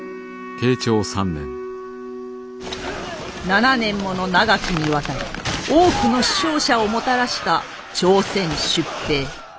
７年もの長きにわたり多くの死傷者をもたらした朝鮮出兵。